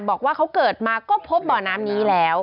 บอกว่าเขาเกิดมาก็พบบ่อน้ำนี้แล้ว